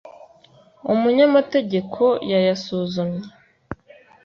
umunyamategeko yayasuzumye.